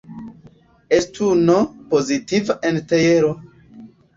Estu "n" pozitiva entjero.